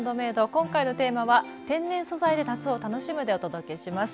今回のテーマは「天然素材で夏を楽しむ」でお届けします。